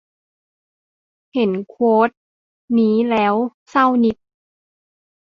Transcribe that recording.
เห็นโควตนี้แล้วเศร้านิด